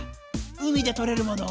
海でとれるもの